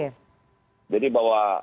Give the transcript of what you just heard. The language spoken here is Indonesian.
ini kan masih bahasa bahasa alun